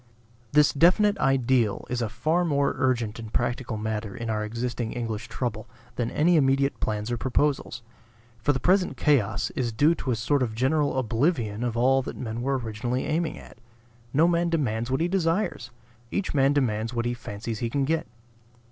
This definite ideal is a far more urgent and practical matter in our existing English trouble than any immediate plans or proposals. For the present chaos is due to a sort of general oblivion of all that men were originally aiming at. No man demands what he desires; each man demands what he fancies he can get.